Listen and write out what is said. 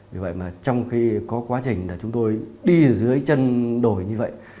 vì vậy mà trong khi có quá trình là chúng tôi đi ở dưới chân đồi như vậy